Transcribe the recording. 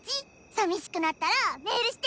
さみしくなったらメールしてね！